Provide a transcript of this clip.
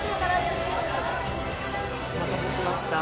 お待たせしました。